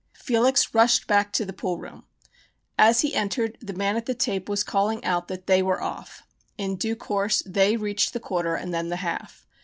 Felix rushed back to the pool room. As he entered the man at the tape was calling out that "they" were off. In due course "they" reached the quarter and then the half.